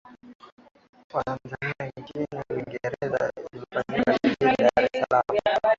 wa Tanzania nchini Uingereza iliyofanyika Jijini Dar es Salaam